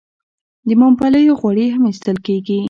د ممپلیو غوړي هم ایستل کیږي.